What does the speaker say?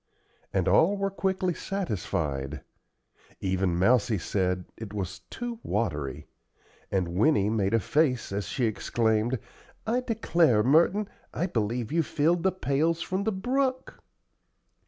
And all were quickly satisfied. Even Mousie said it was "too watery," and Winnie made a face as she exclaimed, "I declare, Merton, I believe you filled the pails from the brook!"